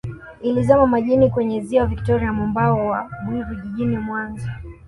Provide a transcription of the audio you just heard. Ilizama majini kwenye Ziwa Victoria mwambao wa Bwiru Jijini Mwanza